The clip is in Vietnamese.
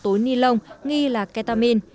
tối ni lông nghi là ketamin